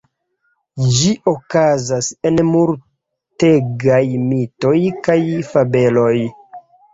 Ĝi okazas en multegaj mitoj kaj fabeloj.